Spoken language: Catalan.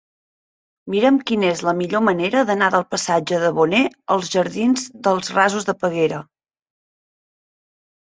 Mira'm quina és la millor manera d'anar del passatge de Boné a la jardins dels Rasos de Peguera.